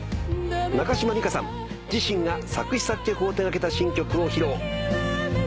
中島美嘉さん自身が作詞作曲を手掛けた新曲を披露。